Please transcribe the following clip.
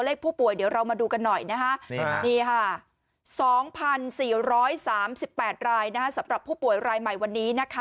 ผู้ป่วยเดี๋ยวเรามาดูกันหน่อยนะคะนี่ค่ะ๒๔๓๘รายสำหรับผู้ป่วยรายใหม่วันนี้นะคะ